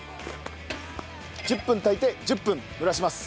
１０分炊いて１０分蒸らします。